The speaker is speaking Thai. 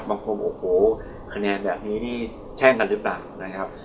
บางคนโอ้โหคะแนนแบบนี้นี่แช่งกันหรือเปล่านะครับ